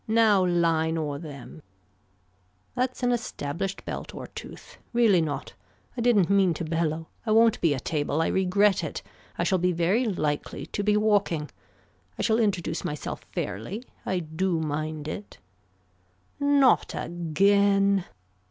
Now line or them. That's an established belt or tooth. Really not. I didn't mean to bellow. I won't be a table. I regret it. I shall be very likely to be walking. I shall introduce myself fairly. I do mind it. Not again.